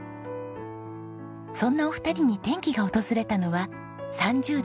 そんなお二人に転機が訪れたのは３０代後半。